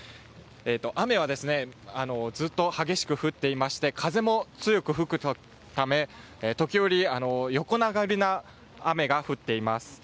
雨はずっと激しく降っていまして風も強く吹くため時折、横殴りの雨が降っています。